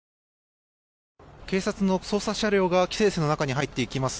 警察の捜査車両が規制線の中に入っていきます。